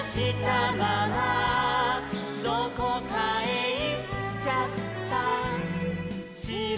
「どこかへいっちゃったしろ」